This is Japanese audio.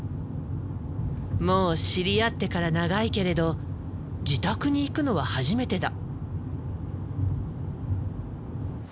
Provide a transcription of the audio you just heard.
もう知り合ってから長いけれど自宅に行くのは初めてだ。